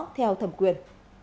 theo thẩm quyền